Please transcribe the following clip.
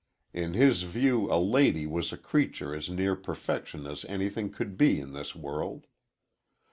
In his view a "lady" was a creature as near perfection as anything could be in this world.